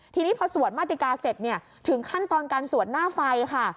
ทีนี้พอสวดมาติกาเสร็จถึงขั้นตอนการสวดหน้าไฟค่ะ